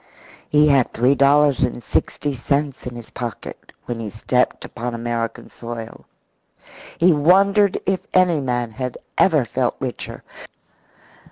He had three dollars and sixty cents in his pocket when he stepped upon American soil. He wondered if any man had ever felt richer.